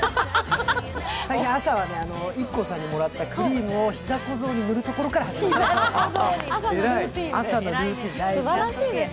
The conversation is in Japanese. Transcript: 最近朝はＩＫＫＯさんにもらったクリームを膝小僧に塗るところから始まります。